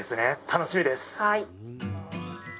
楽しみです。